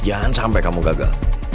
jangan sampai kamu gagal